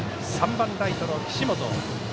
３番ライトの岸本。